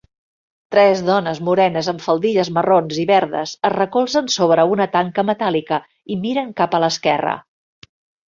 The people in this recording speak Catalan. Tres dones morenes amb faldilles marrons i verdes es recolzen sobre una tanca metàl·lica i miren cap a l'esquerra.